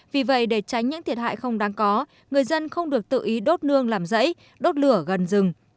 vì vậy để tránh những thiệt hại không đáng có người dân không được tự ý đốt nương làm rẫy đốt lửa gần rừng